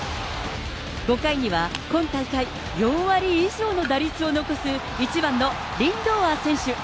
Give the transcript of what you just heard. ５回には今大会４割以上の打率を残す１番のリンドーア選手。